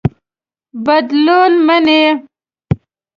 بدلون مني.